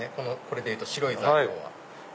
これでいうと白い材料は。